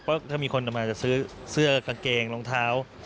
เพราะถ้ามีคนจะมาจะซื้อเสื้อกางเกงรองเท้า